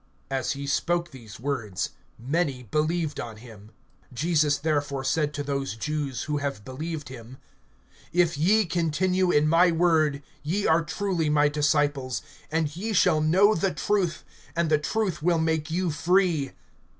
(30)As he spoke these words many believed on him. (31)Jesus therefore said to those Jews who have believed him: If ye continue in my word, ye are truly my disciples; (32)and ye shall know the truth, and the truth will make you free.